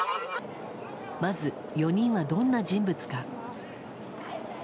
まず、４人はどんな人物か。